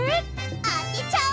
あてちゃおう。